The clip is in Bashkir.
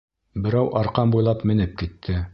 Берәү арҡан буйлап менеп китте.